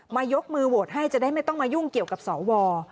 ยกมือโหวตให้จะได้ไม่ต้องมายุ่งเกี่ยวกับสว